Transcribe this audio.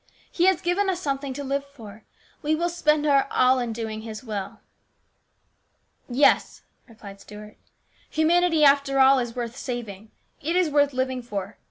" He has given us something to live for. We will spend our all in doing His will." " Yes," replied Stuart, " humanity, after all, is worth saving ; it is worth living for.